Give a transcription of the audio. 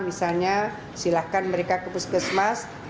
misalnya silahkan mereka ke puskesmas